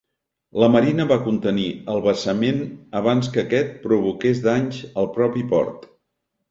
La marina va contenir el vessament abans que aquest provoqués danys al propi port.